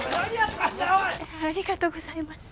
ありがとうございます。